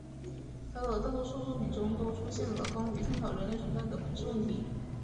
他的大多数作品中都出现了关于探讨人类存在的本质问题。